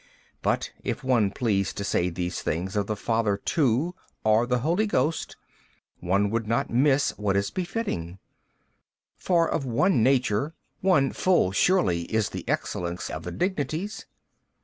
But if one pleased to say these things of the Father too or the Holy Ghost, one would not miss what is befitting. For of One Nature, one full surely is the Excellence of the dignities.